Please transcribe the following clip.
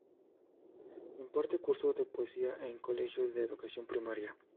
Imparte cursos de poesía en colegios de Educación Primaria.